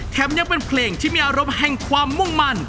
ยังเป็นเพลงที่มีอารมณ์แห่งความมุ่งมั่น